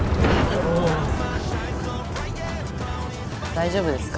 大丈夫ですか？